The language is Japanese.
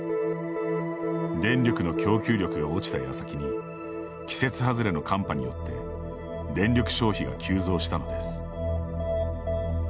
電力の供給力が落ちたやさきに季節外れの寒波によって電力消費が急増したのです。